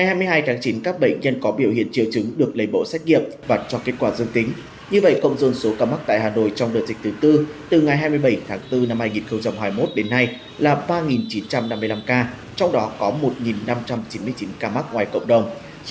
hãy đăng kí cho kênh lalaschool để không bỏ lỡ những video hấp dẫn